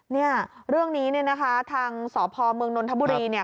เนี่ยเรื่องนี้เนี่ยนะคะทางสพเมืองนนทบุรีเนี่ย